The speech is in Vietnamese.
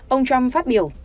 ông trump phát biểu